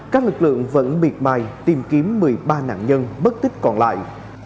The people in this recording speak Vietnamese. các lực lượng vẫn biệt bài tìm kiếm một mươi ba nạn nhân bất tích còn lại